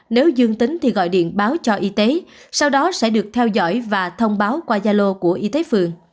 nếu dương tính thì gọi điện báo cho y tế sau đó sẽ được theo dõi và thông báo qua gia lô của y tế phường